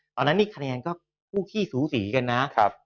ตอนนั้นนี่คะแนนก็คู่ขี้สูสีกันนะ